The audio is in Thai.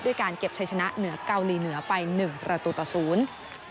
ด้วยการเก็บชัยชนะเหนือเกาหลีเหนือไป๑ระตุตะศูนย์